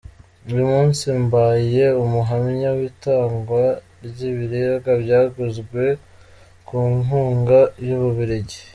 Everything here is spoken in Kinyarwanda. Uyu munsi mbaye umuhamya w’itangwa ry’ibiribwa byaguzwe ku nkunga y’u Bubiligi.